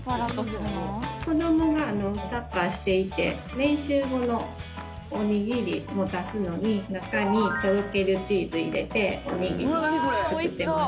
子どもがサッカーをしていて練習後のおにぎりを持たすのに中にとろけるチーズを入れておにぎりを作ってます。